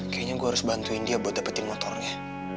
kayaknya gue harus bantuin dia buat dapetin motornya